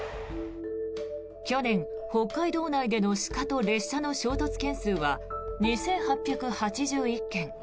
去年、北海道内での鹿と列車の衝突件数は２８８１件。